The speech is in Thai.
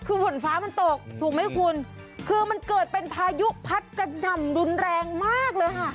คือฝนฟ้ามันตกถูกไหมคุณคือมันเกิดเป็นพายุพัดกระหน่ำรุนแรงมากเลยค่ะ